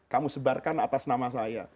kamu sebarkan atas nama saya